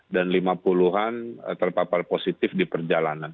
dan lima puluhan terpapar positif di perjalanan